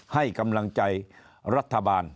ให้กำลังใจรัฐบาล